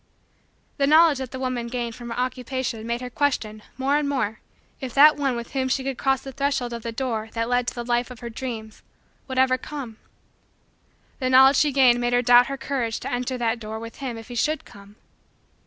The knowledge that the woman gained from her Occupation made her question, more and more, if that one with whom she could cross the threshold of the door that led to the life of her dreams, would ever come. The knowledge she gained made her doubt her courage to enter that door with him if he should come.